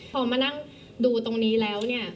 เธออยากให้ชี้แจ่งความจริง